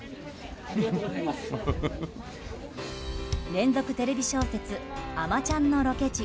連続テレビ小説「あまちゃん」のロケ地